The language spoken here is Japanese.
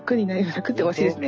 楽っておかしいですね。